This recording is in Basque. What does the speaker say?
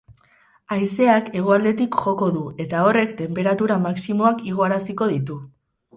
Haizeak hegoaldetik joko du, eta horrek tenperatura maximoak igoaraziko ditu.